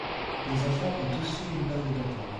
Les enfants ont tous eu une part de gâteau.